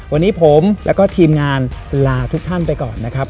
วันนี้ผมแล้วก็ทีมงานลาทุกท่านไปก่อนนะครับ